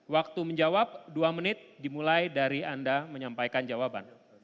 waktu menjawab dua menit dimulai dari anda menyampaikan jawaban